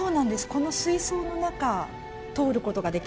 この水槽の中通る事ができるんです。